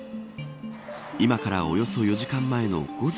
今からおよそ４時間前の午前